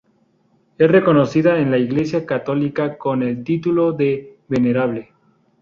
Es reconocida en la Iglesia católica con el título de venerable.